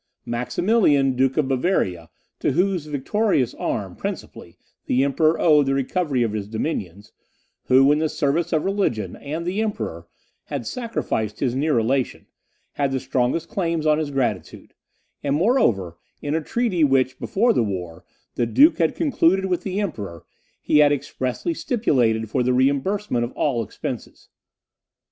Maximilian, Duke of Bavaria, to whose victorious arm, principally, the Emperor owed the recovery of his dominions; who, in the service of religion and the Emperor, had sacrificed his near relation, had the strongest claims on his gratitude; and moreover, in a treaty which, before the war, the duke had concluded with the Emperor, he had expressly stipulated for the reimbursement of all expenses.